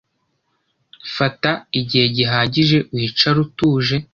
fata igihe gihagije wicare utuje